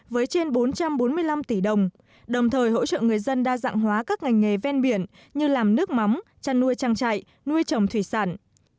với trên bốn trăm bốn mươi năm tỷ đồng đồng thời hỗ trợ người dân đa dạng hóa các ngành nghề ven biển như làm nước mắm chăn nuôi trang trại nuôi trồng thủy sản